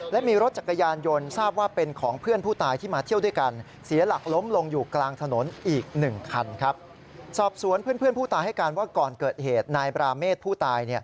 และมีรถจักรยานยนต์ทราบว่าเป็นของเพื่อนผู้ตาย